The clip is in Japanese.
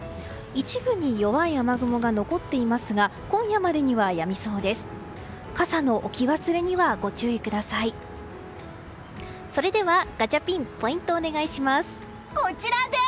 一部に弱い雨雲が残っていますが今夜までにはやみそうです。